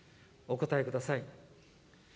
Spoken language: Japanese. お答えください。